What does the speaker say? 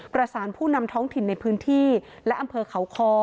ประสานผู้นำท้องถิ่นในพื้นที่และอำเภอเขาคอ